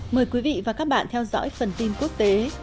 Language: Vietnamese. mời quý vị và các bạn theo dõi phần tin quốc tế